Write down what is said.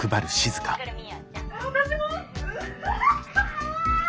かわいい！」。